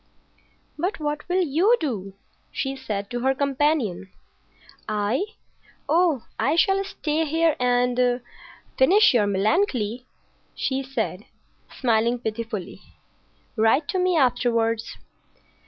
"But what will you do," she said to her companion. "I? Oh, I shall stay here and—finish your Melancolia," she said, smiling pitifully. "Write to me afterwards."